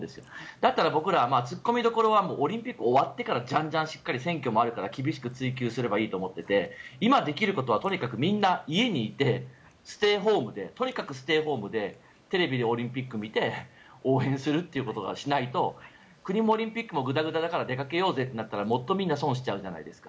だったら僕らは突っ込みどころはオリンピックが終わってからじゃんじゃん、選挙もあるから厳しく追及すればいいと思ってて今できることはとにかくみんな家にいてステイホームでとにかくステイホームでテレビでオリンピック見て応援するということをしないと国もオリンピックもグダグダだから出かけてったらもっとみんな損しちゃうじゃないですか。